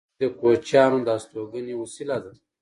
کېږدۍ د کوچیانو د استوګنې وسیله ده